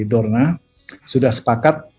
dorna sudah sepakat